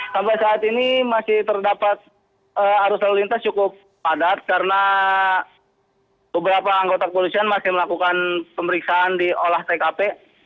sampai saat ini masih terdapat arus lalu lintas cukup padat karena beberapa anggota kepolisian masih melakukan pemeriksaan di olah tkp